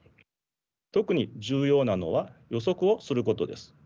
特に重要なのは予測をすることです。